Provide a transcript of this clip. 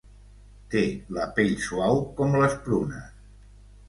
Té la pell suau com les prunes.